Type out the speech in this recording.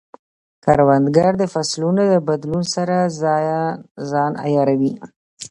کروندګر د فصلونو د بدلون سره ځان عیاروي